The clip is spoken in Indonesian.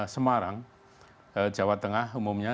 semarang jawa tengah umumnya